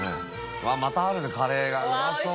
Δ錣またあるんだカレーがうまそう。